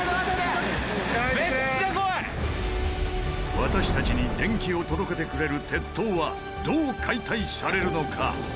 私たちに電気を届けてくれる鉄塔はどう解体されるのか？